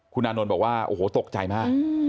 คุณอนนด์บอกว่าโอ้อยเตรียมตกใจมาก